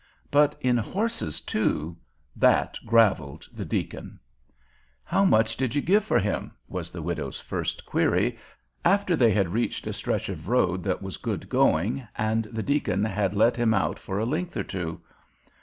But in horses, too—that graveled the deacon. "How much did you give for him?" was the widow's first query, after they had reached a stretch of road that was good going and the deacon had let him out for a length or two.